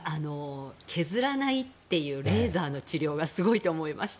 削らないというレーザーの治療がすごいと思いました。